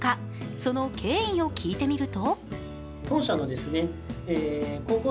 その経緯を聞いてみると。